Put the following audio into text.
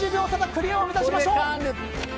クリアを目指しましょう。